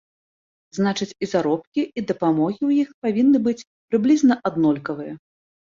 Значыць, і заробкі, і дапамогі ў іх павінны быць прыблізна аднолькавыя.